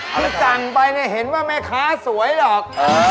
ที่สั่งไปเนี่ยเห็นว่าแม่ค้าสวยหรอก